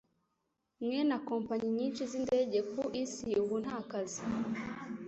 mwe na kompanyi nyinshi z'indege ku isi ubu nta kazi,